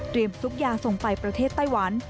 ซุปยาส่งไปประเทศไต้หวัน